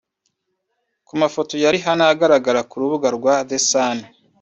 Ku mafoto ya Rihanna agaragara ku rubuga rwa The Sun